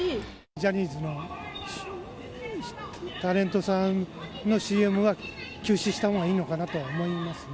ジャニーズのタレントさんのＣＭは休止したほうがいいのかなと思いますね。